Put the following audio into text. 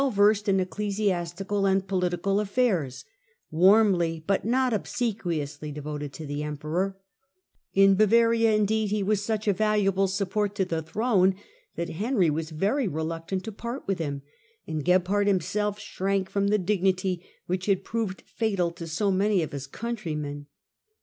39 versed in ecclesiastical and political affairs — ^warmly, but not obsequiously, devoted to the emperor. In Bicction of Bavaria, indeed, he was such a valuable support tor n. to the throne that Henry was very reluctant to part with him, and Gebhard himself shrank from the dignity which had proved fatal to so many of his countrymen.